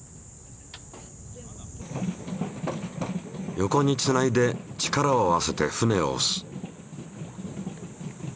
横につないで力を合わせて船をおす。